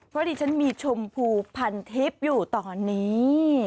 เพราะดิฉันมีชมพูพันทิพย์อยู่ตอนนี้